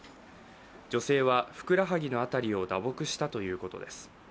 女性はふくらはぎの辺りを打撲したということです。